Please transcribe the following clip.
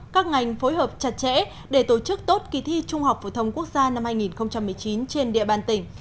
các ngành phối hợp chặt chẽ để tổ chức tốt kỳ thi trung học phổ thông quốc gia năm hai nghìn một mươi chín trên địa bàn tỉnh